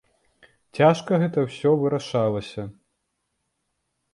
Цяжка гэта ўсё вырашалася.